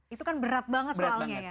itu kan berat banget soalnya ya